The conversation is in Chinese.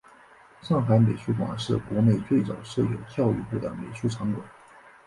上海美术馆是国内最早设立教育部的美术场馆。